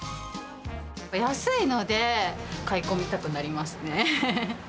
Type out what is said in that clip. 安いので、買い込みたくなりますね。